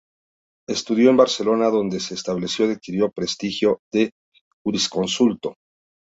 Estudió en Barcelona, donde se estableció y adquirió prestigio de jurisconsulto.